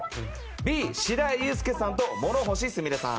Ｂ、白井悠介さんと諸星すみれさん。